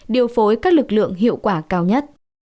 điều phối các lực lượng hiệu quả cao nhất